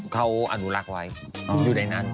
เขาอนุรักษ์ไว้อยู่ในนั้น